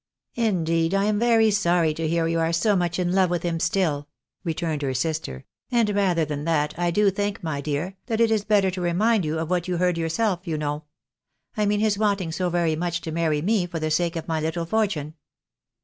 " Indeed I am very sorry to hear you are so much in love with him still," returned her sister ;" and rather than that, I do think, my dear, that it is better to remind you of what you heard yourself, AN EFFECTIVE EXPERI,"irEMT. 25 you know ; I mean his wanting so very mucli to marry me for the sake of my little fortune."